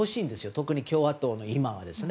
特に共和党も今はですね。